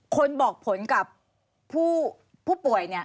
คนบอกผลกับผู้ป่วยเนี่ย